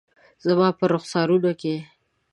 زما په رخسارونو کې